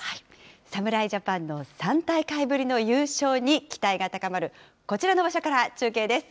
侍ジャパンの３大会ぶりの優勝に期待が高まる、こちらの場所から中継です。